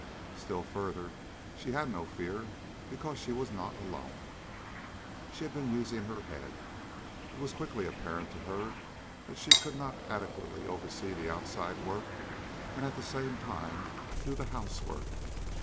Still further, she had no fear, because she was not alone. She had been using her head. It was quickly apparent to her that she could not adequately oversee the outside work and at the same time do the house work.